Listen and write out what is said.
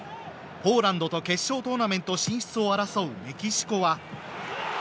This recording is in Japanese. ポーランドと決勝トーナメント進出を争うメキシコは。